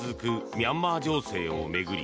ミャンマー情勢を巡り